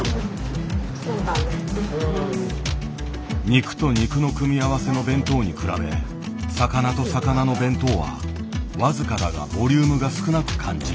「肉と肉」の組み合わせの弁当に比べ「魚と魚」の弁当は僅かだがボリュームが少なく感じる。